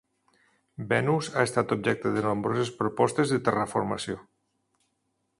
Venus ha estat objecte de nombroses propostes de terraformació.